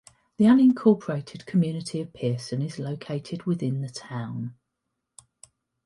The unincorporated community of Pearson is located within the town.